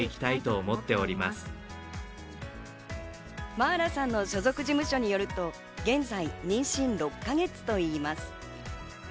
茉愛羅さんの所属事務所によると、現在、妊娠６か月といいます。